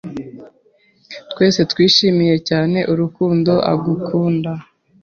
twese twishimiye cyane urukundo agukunda